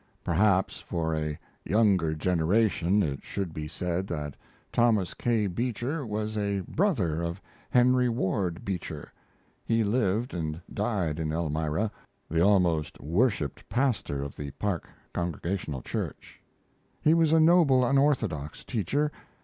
[Perhaps for a younger generation it should be said that Thomas K. Beecher was a brother of Henry Ward Beecher. He lived and died in Elmira, the almost worshiped pastor of the Park Congregational Church. He was a noble, unorthodox teacher.